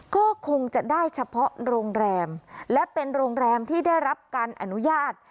ก็คงจะได้เฉพาะโรงแรมและเป็นโรงแรมที่ได้รับการอนุญาต